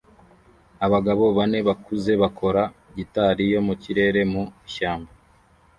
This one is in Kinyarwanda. Abagabo bane bakuze bakora "gitari yo mu kirere" mu ishyamba